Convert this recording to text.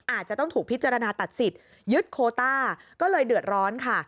อาจจะต้องถูกพิจารณาตัดสิทธิ์ยึดโคต้าก็เลยเดือดร้อนค่ะ